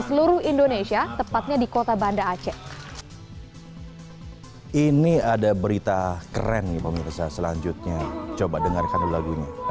seluruh indonesia tepatnya di kota banda aceh ini ada berita keren nih pemirsa selanjutnya coba dengarkan lagunya